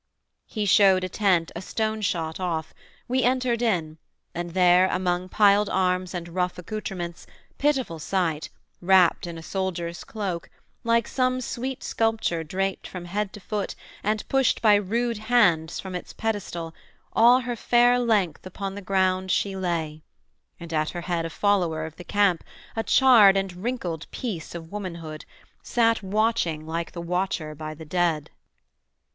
He showed a tent A stone shot off: we entered in, and there Among piled arms and rough accoutrements, Pitiful sight, wrapped in a soldier's cloak, Like some sweet sculpture draped from head to foot, And pushed by rude hands from its pedestal, All her fair length upon the ground she lay: And at her head a follower of the camp, A charred and wrinkled piece of womanhood, Sat watching like the watcher by the dead.